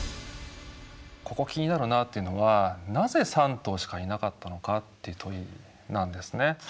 ここ気になるなというのは「なぜ３頭しかいなかったのか？」という問いなんですね。